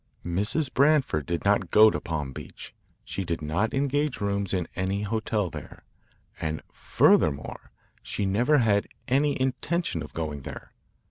Mrs. Branford did no: go to Palm Beach. She did not engage rooms in any hotel there. And furthermore she never had any intention of going there.